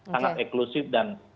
sangat eklusif dan